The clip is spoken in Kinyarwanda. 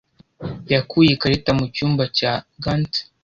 yakuye ikarita mu cyumba cya gants.